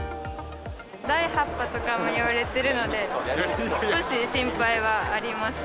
第８波とかもいわれているので、少し心配はあります。